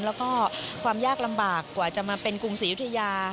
แล้วก็ความยากลำบากกว่าจะมาเป็นกรุงศรียุธยา